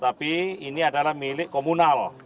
tapi ini adalah milik komunal